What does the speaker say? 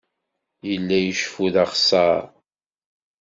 Yella iceffu d axeṣṣar.